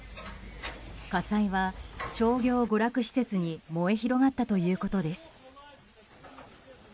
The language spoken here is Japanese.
火災は商業・娯楽施設に燃え広がったということです。